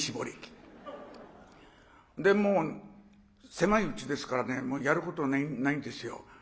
もう狭いうちですからねやることないんですよ。